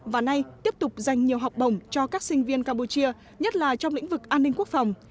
và nay tiếp tục dành nhiều học bổng cho các sinh viên campuchia nhất là trong lĩnh vực an ninh quốc phòng